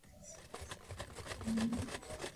Es la Chef-lieu de una delegación que lleva su nombre.